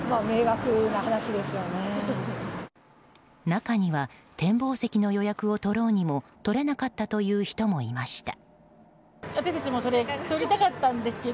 中には展望席の予約を取ろうにも取れなかったという人もいました。